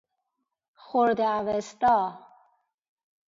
خرده اوستا